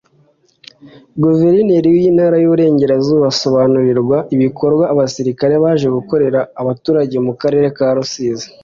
Guverineri w’Intara y’Uburengerazuba asobanurirwa ibikorwa abasirikare baje gukorera abaturage mu karere ka Rusizi